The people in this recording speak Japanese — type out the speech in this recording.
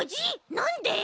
なんで！？